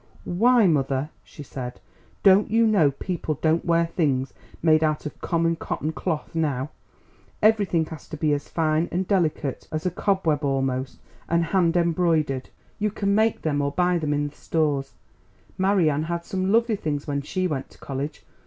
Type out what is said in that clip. "Why, mother," she said, "don't you know people don't wear things made out of common cotton cloth now; everything has to be as fine and delicate as a cobweb almost, and hand embroidered. You can make them or buy them in the stores. Marian had some lovely things when she went to college.